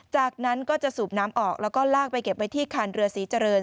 จากนั้นก็จะสูบน้ำออกแล้วก็ลากไปเก็บไว้ที่คันเรือศรีเจริญ